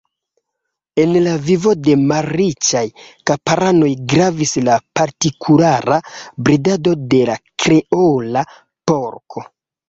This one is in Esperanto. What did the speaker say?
En la vivo de malriĉaj kamparanoj gravis la partikulara bredado de la Kreola porko.